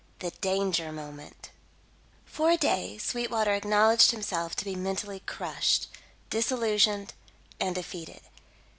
THE DANGER MOMENT For a day Sweetwater acknowledged himself to be mentally crushed, disillusioned and defeated.